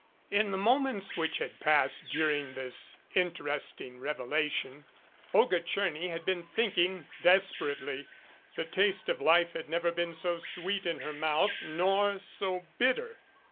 In the moments which had passed during this interest ing revelation Olga Tcherny had been thinking desper ately. The taste of life had never been so sweet in her mouth nor so bitter.